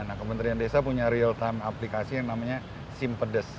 nah kementerian desa punya real time aplikasi yang namanya simpedes